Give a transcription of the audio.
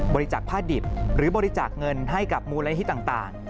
บริจาคผ้าดิบหรือบริจาคเงินให้กับมูลไลฮีตต่าง